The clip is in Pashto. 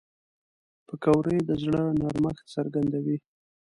پکورې د زړه نرمښت څرګندوي